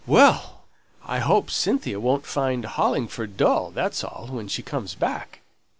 Well! I hope Cynthia won't find Hollingford dull, that's all, when she comes back."